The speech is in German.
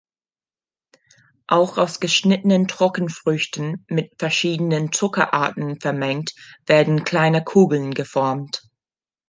Auch aus geschnittenen Trockenfrüchten mit verschiedenen Zuckerarten vermengt werden kleine Kugeln geformt.